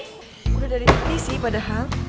gue udah dari tepi sih padahal